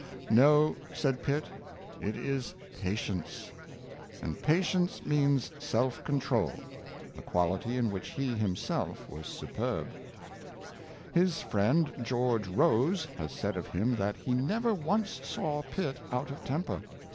" No," said Pitt, it is '^ patience! " And patience means self control, a quality in which he himself was superb. 476 Evils of Strong Temf>er, His friend George Rose has said of him that he never once saw Pitt out of temper.